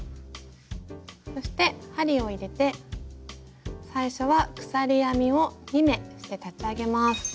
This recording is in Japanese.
そして針を入れて最初は鎖編みを２目して立ち上げます。